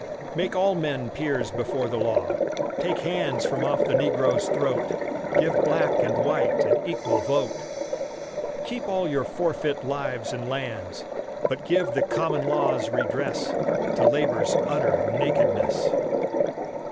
Make all men peers before the law, Take hands from off the negro's throat, Give black and white an equal vote. Keep all your forfeit lives and lands, But give the common law's redress To labor's utter nakedness.